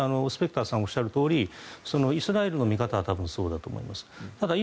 スペクターさんがおっしゃるとおりイスラエルの見方は多分そうだと思います。